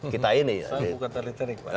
kita ini saya bukan ahli teknik pak